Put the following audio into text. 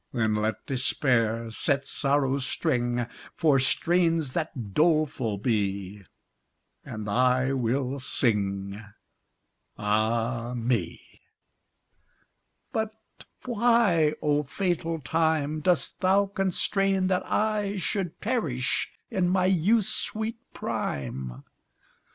Then let despair set sorrow's string, For strains that doleful be; And I will sing, Ah me! But why, O fatal time, Dost thou constrain that I Should perish in my youth's sweet prime?